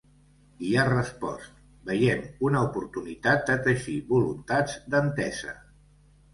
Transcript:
I ha respost: Veiem una oportunitat de teixir voluntats d’entesa.